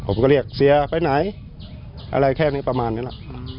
ผมก็เรียกเสียไปไหนอะไรแค่นี้ประมาณนี้แหละ